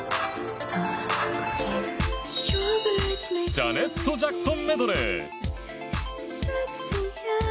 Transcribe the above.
「ジャネット・ジャクソンメドレー」。